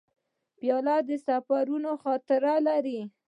پیاله د سفرونو خاطره لري.